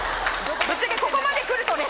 ぶっちゃけここまでくるとね